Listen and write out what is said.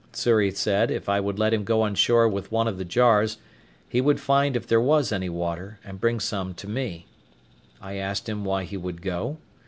Xury said, if I would let him go on shore with one of the jars, he would find if there was any water, and bring some to me. I asked him why he would go?